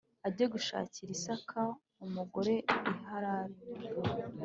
ajye gushakira Isaka umugore i Harani